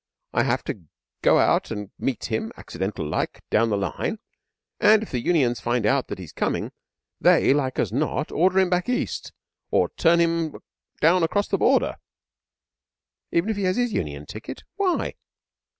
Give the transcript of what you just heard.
I have to go out and meet him, accidental like, down the line, and if the Unions find out that he is coming, they, like as not, order him back East, or turn him down across the Border.' 'Even if he has his Union ticket? Why?'